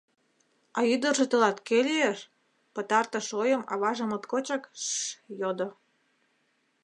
А ӱдыржӧ тылат кӧ лиеш? — пытартыш ойым аваже моткочак шьш йодо.